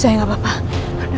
saya tidak apa apa